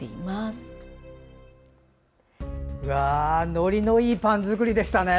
ノリのいいパン作りでしたね。